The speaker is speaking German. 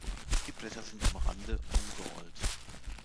Die Blätter sind am Rande umgerollt.